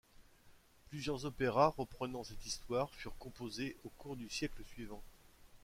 Plusieurs opéras reprenant cette histoire furent composés au cours du siècle suivant.